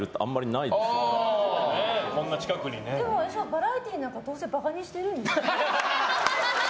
バラエティなんかどうせバカにしてる。